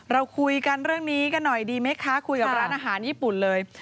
เราคุยกันเรื่องนี้กันหน่อยดีไหมคะคุยกับร้านอาหารญี่ปุ่นเลย